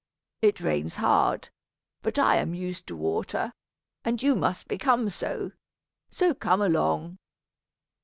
It rains hard, but I am used to water, and you must become so; so come along."